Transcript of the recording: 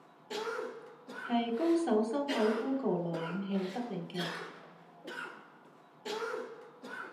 係高手修改谷歌瀏覽器得嚟嘅